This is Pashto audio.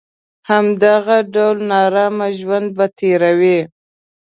همدغه ډول نارامه ژوند به تېروي.